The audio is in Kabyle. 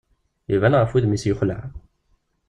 Iban ɣef wudem-is yexleɛ.